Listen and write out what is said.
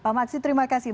pak maksih terima kasih